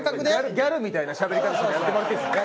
ギャルみたいなしゃべり方するのやめてもらっていいですか？